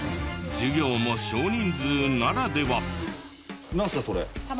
授業も少人数ならでは。